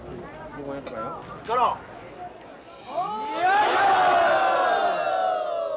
よいしょ！